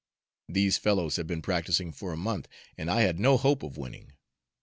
These fellows have been practicing for a month, and I had no hope of winning.